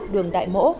đường đại mỗ